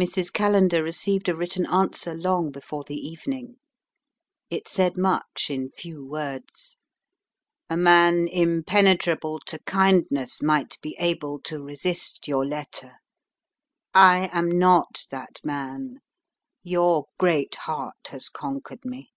Mrs. Callender received a written answer long before the evening. It said much in few words: "A man impenetrable to kindness might be able to resist your letter. I am not that man. Your great heart has conquered me."